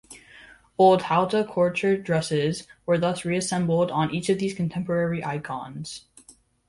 Old haute couture dresses were thus re-assembled on each of these contemporary icons.